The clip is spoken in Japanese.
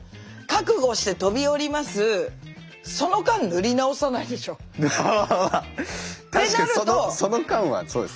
その間はそうですね。